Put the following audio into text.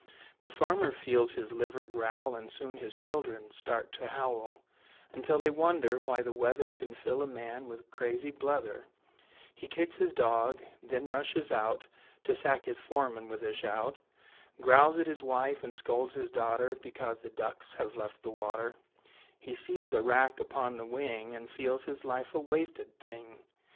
The farmer feels his liver growl, And soon his children start to howl, Until they wonder why the weather Can fill a man wi' crazy blether; He kicks his dog, then rushes out To sack his foreman with a shout, Growls at his wife, and scolds his daughter Because the ducks have left the water; He sees the wrack upon the wing, And feels his life a wasted thing.